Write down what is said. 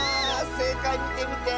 せいかいみてみて！